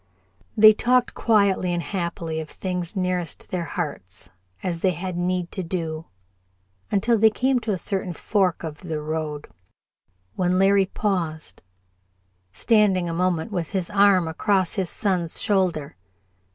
They talked quietly and happily of things nearest their hearts, as they had need to do, until they came to a certain fork of the road, when Larry paused, standing a moment with his arm across his son's shoulder.